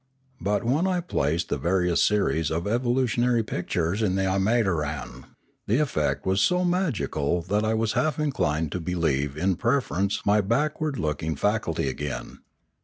But, when I placed the various series of evolutionary pictures in the imataran, the effect was so magical that I was half inclined to believe in preference my backward looking faculty again.